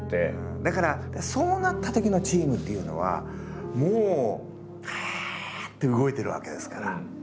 だからそうなったときのチームっていうのはもうばって動いてるわけですから。